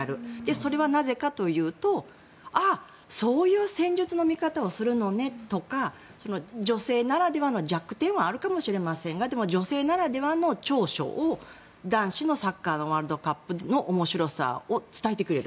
それはなぜかというとあ、そういう戦術の見方をするのねとか女性ならではの弱点はあるかもしれませんがでも女性ならではの長所を男子のサッカーのワールドカップの面白さを伝えてくれる。